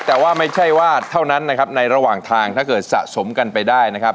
แต่ว่าไม่ใช่ว่าเท่านั้นนะครับในระหว่างทางถ้าเกิดสะสมกันไปได้นะครับ